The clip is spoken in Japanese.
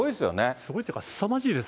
すごいっていうかすさまじいです。